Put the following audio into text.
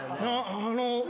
あの。